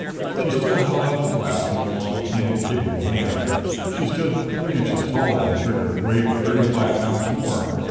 She still held out the glass, in a long, tanned, capable hand. She stood three inches taller than Trigger, weighted thirty five pounds more.